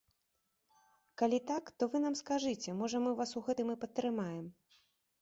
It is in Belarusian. Калі так, то вы нам скажыце, можа мы вас у гэтым і падтрымаем.